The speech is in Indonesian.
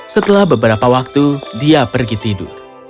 setelah beberapa waktu dia pergi tidur